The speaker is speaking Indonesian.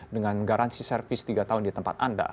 dengan garansi servis tiga tahun di tempat anda